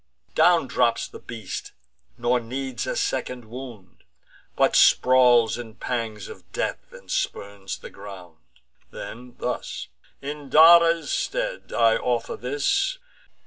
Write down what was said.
Down drops the beast, nor needs a second wound, But sprawls in pangs of death, and spurns the ground. Then, thus: "In Dares' stead I offer this.